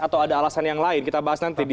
atau ada alasan yang lain kita bahas nanti di